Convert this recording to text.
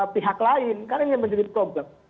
pihak lain karena ingin menjadi problem